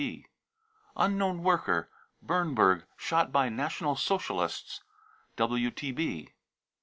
{WTB.) unknown worker, Bernburg, shot by National Socialists. (WTB.)